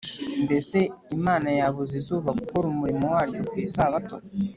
Mbese Imana yabuza izuba gukora umurimo waryo ku Isabato,